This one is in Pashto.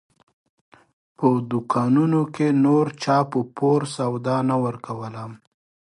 په دوکانونو کې نور چا په پور سودا هم نه ورکوله.